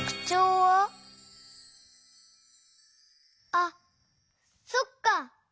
あっそっか！